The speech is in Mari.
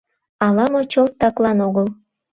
Ала-мо, чылт таклан огыл.